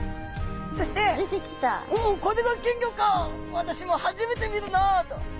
「私も初めて見るなあ」と。